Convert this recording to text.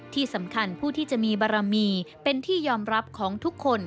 ที่สำคัญผู้ที่จะมีบารมีเป็นที่ยอมรับของทุกคน